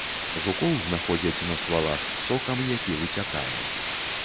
Жукоў знаходзяць на ствалах з сокам, які выцякае.